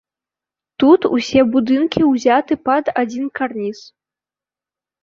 Тут усе будынкі ўзяты пад адзін карніз.